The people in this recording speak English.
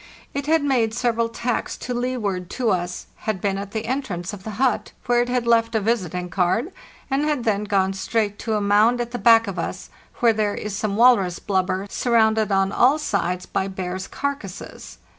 It had made several tacks to leeward to us, had been at the entrance of the hut, where it had left a visiting card, and had then gone straight to a mound at the back of us, where there is some walrus blubber, surrounded on all sides by bears' carcasses.